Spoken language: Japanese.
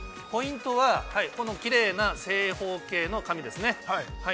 ポイントは、このきれいな正方形の紙ですね。